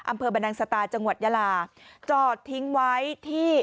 บรรนังสตาจังหวัดยาลาจอดทิ้งไว้ที่